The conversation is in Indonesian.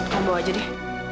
kamu bawa aja deh